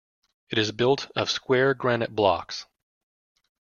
It is built of square granite blocks.